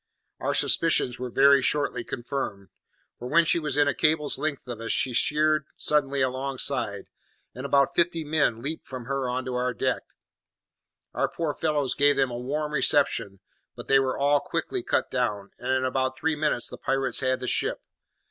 "Our suspicions were very shortly confirmed, for when she was within a cable's length of us she sheered suddenly alongside, and about fifty men leaped from her on to our deck. Our poor fellows gave them a warm reception; but they were all quickly cut down, and in about three minutes the pirates had the ship.